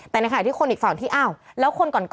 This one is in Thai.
แต่ในขณะที่คนอีกฝั่งที่อ้าวแล้วคนก่อน